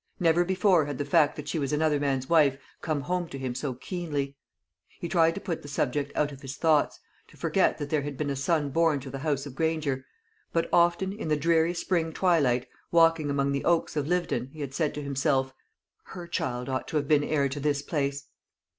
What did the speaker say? Never before had the fact that she was another man's wife come home to him so keenly. He tried to put the subject out of his thoughts, to forget that there had been a son born to the house of Granger; but often in the dreary spring twilight, walking among the oaks of Lyvedon, he had said to himself, "Her child ought to have been heir to this place."